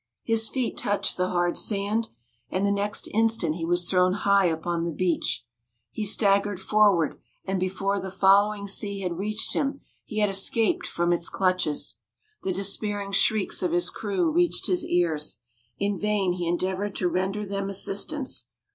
His feet touched the hard sand, and the next instant he was thrown high upon the beach. He staggered forward, and before the following sea had reached him he had escaped from its clutches. The despairing shrieks of his crew reached his ears. In vain he endeavoured to render them assistance.